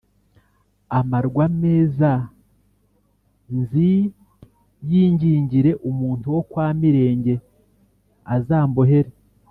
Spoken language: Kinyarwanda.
amarwa meza nziyingingire umuntu wo kwa Mirenge azambohere